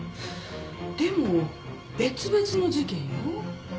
でも別々の事件よ。